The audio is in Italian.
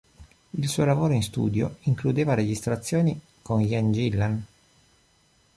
Il suo lavoro in studio includeva registrazioni con Ian Gillan.